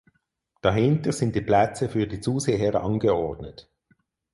Dahinter sind die Plätze für die Zuseher angeordnet.